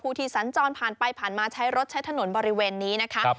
ที่สัญจรผ่านไปผ่านมาใช้รถใช้ถนนบริเวณนี้นะคะ